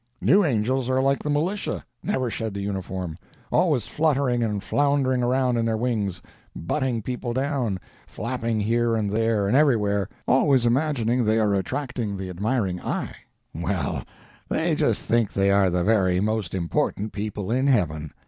New angels are like the militia—never shed the uniform—always fluttering and floundering around in their wings, butting people down, flapping here, and there, and everywhere, always imagining they are attracting the admiring eye—well, they just think they are the very most important people in heaven.